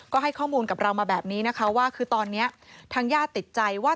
ก็ให้ข้อมูลกับเรามาแบบนี้นะคะว่าคือตอนนี้ทางญาติติดใจว่า